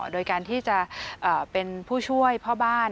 โดยการที่จะเป็นผู้ช่วยพ่อบ้าน